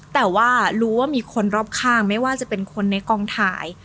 แต่ว่ารู้ว่ามีคนรอบข้างไม่ว่าจะเป็นคนในกองถ่าย